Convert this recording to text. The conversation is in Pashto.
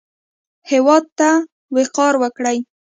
هېواد ته وقار ورکړئ